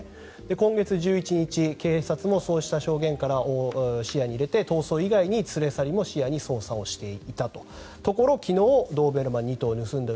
今月１１日警察はそうした証言から逃走以外に連れ去りも視野に捜査していたところ昨日、ドーベルマン２頭を盗んだ